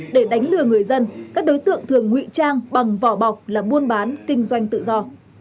để đánh lừa người dân các đối tượng thường ngụy trang bằng vỏ bọc là buôn bán kinh doanh tự do